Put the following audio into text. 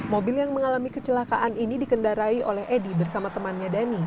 mobil yang mengalami kecelakaan ini dikendarai oleh edi bersama temannya dhani